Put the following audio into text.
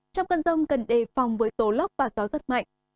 trong cơn rông cần đề phòng với tố lốc và gió rất mạnh